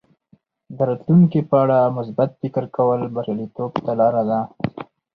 د راتلونکي په اړه مثبت فکر کول بریالیتوب ته لاره ده.